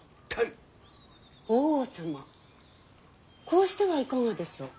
こうしてはいかがでしょう。